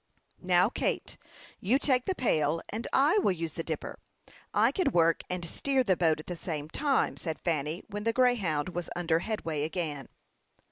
"Now, Kate, you take the pail, and I will use the dipper; I can work and steer the boat at the same time," said Fanny, when the Greyhound was under headway again.